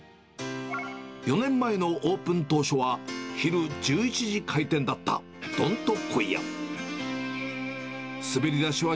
４年前のオープン当初は、昼１１時開店だった、どんとこい家。